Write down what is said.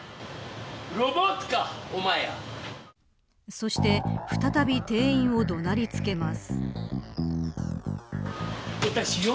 そして再び店員を怒鳴りつけます。